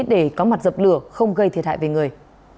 để có mặt dập lửa không gây thiệt hại về người